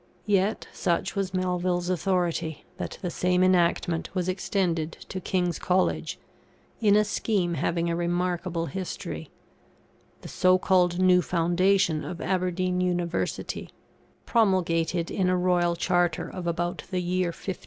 Yet such was Melville's authority, that the same enactment was extended to King's College, in a scheme having a remarkable history the so called New Foundation of Aberdeen University, promulgated in a Royal Charter of about the year 1581.